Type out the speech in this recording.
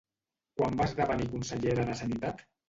Quan va esdevenir consellera de Sanitat?